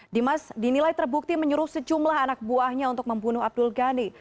dimas dinilai terbukti menyuruh sejumlah anak buahnya untuk membunuh abdul ghani